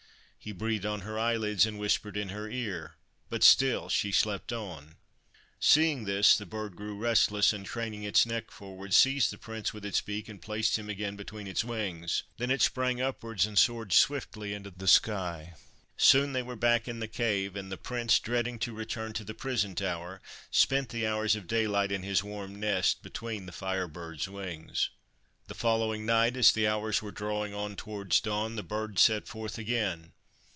He breathed on her eyelids and whispered in her ear, but still she slept on. Seeing this, the Bird grew restless, and craning its neck forward, seized the Prince with its beak and placed him again between its wings. Then it sprang upwards and soared swiftly into the sky. Soon they were back in the cave, and the Prince, dreading to return to the prison tower, spent the hours of daylight in his warm nest between the Fire Bird's wings. The following night, as the hours were drawing on towards dawn, the Bird set forth again.